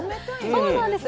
そうなんです。